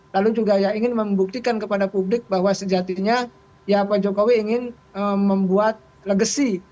lalu juga ya ingin membuktikan kepada publik bahwa sejatinya ya pak jokowi ingin membuat legacy